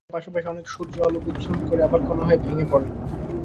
যেখানে পাশাপাশি অনেক সূর্য আলো বিচ্ছুরণ করে আবার কণা হয়ে ভেঙে পড়ে।